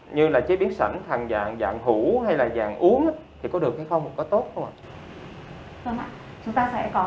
như là chế biến sẵn thành dạng hũ hay là dạng uống thì có được hay không có tốt không ạ